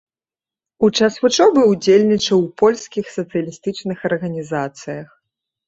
У час вучобы удзельнічаў ў польскіх сацыялістычных арганізацыях.